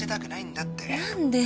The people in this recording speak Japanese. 何で？